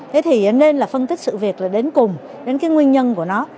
thế thì nên là phân tích sự việc là đến cùng đến cái nguyên nhân của nó